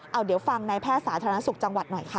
เอาเดี๋ยวฟังในแพทย์สาธารณสุขจังหวัดหน่อยค่ะ